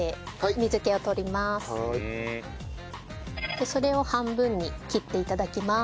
でそれを半分に切って頂きます。